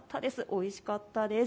おいしかったです。